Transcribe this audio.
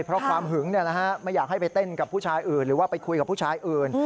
เพราะความหึงไม่อยากให้ไปเต้นกับผู้ชายอื่นหรือว่าไปคุยกับผู้ชายอื่น